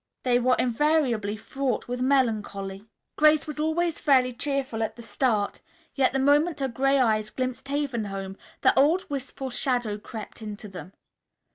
They were invariably fraught with melancholy. Grace was always fairly cheerful at the start, yet the moment her gray eyes glimpsed Haven Home the old, wistful shadow crept into them.